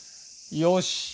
よし！